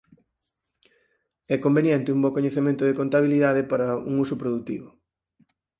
É conveniente un bo coñecemento de contabilidade para un uso produtivo.